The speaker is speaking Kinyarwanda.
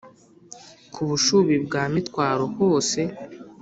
ku bushubi bwa mitwaro hose